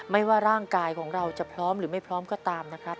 ไม่ว่าร่างกายของเราจะพร้อมหรือไม่พร้อมก็ตามนะครับ